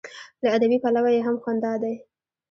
له ادبي پلوه یې هم خوند دا دی.